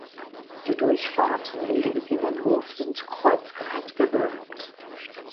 Die Durchfahrten in den Innenhof sind kreuzgratgewölbt.